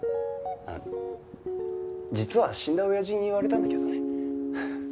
実は死んだ親父に言われたんだけどね。